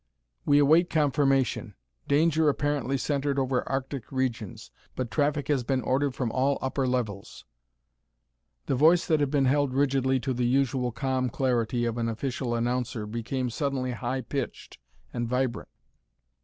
"We await confirmation. Danger apparently centered over arctic regions, but traffic has been ordered from all upper levels " The voice that had been held rigidly to the usual calm clarity of an official announcer became suddenly high pitched and vibrant.